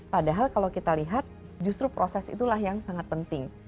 padahal kalau kita lihat justru proses itulah yang sangat penting